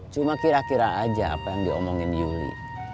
cuma kira kira aja apa yang dia omongin yuli